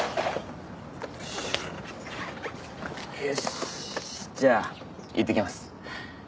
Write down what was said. よしじゃあいってきます。